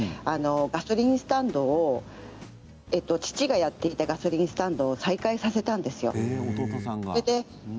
ガソリンスタンドを、父がやっていたガソリンスタンドを再開させたんですよ。